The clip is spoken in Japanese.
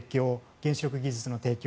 原子力技術の提供